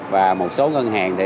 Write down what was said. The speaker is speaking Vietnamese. và một số ngân hàng